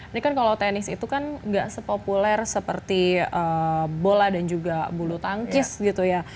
ini kan kalau tenis itu kan gak sepopuler seperti bola dan juga bulu tangkis gitu ya